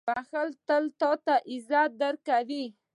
• بښل تا ته عزت درکوي.